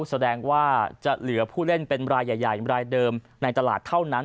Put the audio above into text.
แสดงว่าจะเหลือผู้เล่นเป็นรายใหญ่รายเดิมในตลาดเท่านั้น